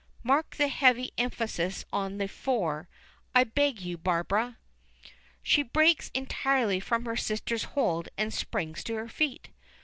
Mark the heavy emphasis on the 'for,' I beg you, Barbara!" She breaks entirely from her sister's hold and springs to her feet.